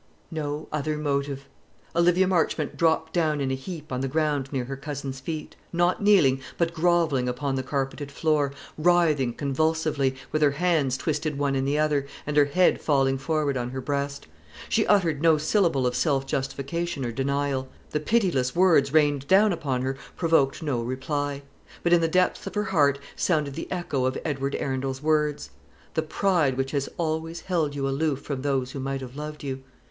No other motive! Olivia Marchmont dropped down in a heap on the ground near her cousin's feet; not kneeling, but grovelling upon the carpeted floor, writhing convulsively, with her hands twisted one in the other, and her head falling forward on her breast. She uttered no syllable of self justification or denial. The pitiless words rained down upon her provoked no reply. But in the depths of her heart sounded the echo of Edward Arundel's words: "The pride which has always held you aloof from those who might have loved you